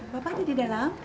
bapak ada di dalam